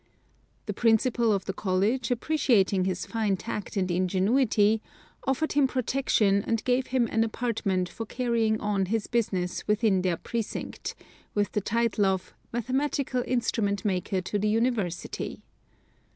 The Principal of the college, appreciating his fine tact and ingenuity, offered him protection and gave him an apartment for carrying on his business within their precinct, with the title of "Mathematical Instrument Maker to the University."